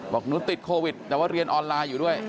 บอกหนูติดโควิดแต่ว่าเรียนออนไลน์อยู่ด้วย